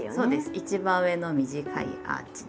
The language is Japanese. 一番上の短いアーチで。